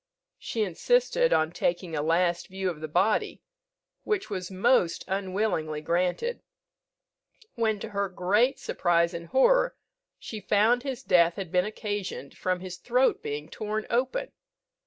She insisted on taking a last view of the body, which was most unwillingly granted; when, to her great surprise and horror, she found his death had been occasioned from his throat being torn open.